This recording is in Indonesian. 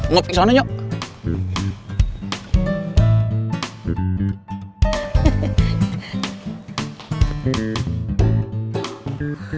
ngopi ke sana yuk